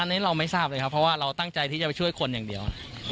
อันนี้เราไม่ทราบเลยครับเพราะว่าเราตั้งใจที่จะไปช่วยคนอย่างเดียว